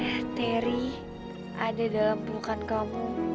eh teri ada dalam pelukan kamu